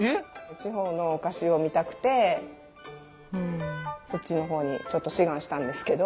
地方のお菓子を見たくてそっちのほうにちょっと志願したんですけど。